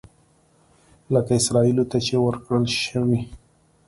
لکه اسرائیلو ته چې ورکړل شوي.